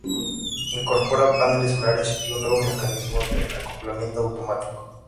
Incorpora paneles solares y un nuevo mecanismo de acoplamiento automático.